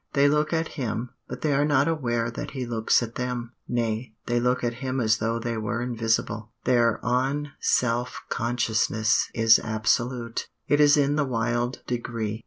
They look at him, but they are not aware that he looks at them. Nay, they look at him as though they were invisible. Their un self consciousness is absolute; it is in the wild degree.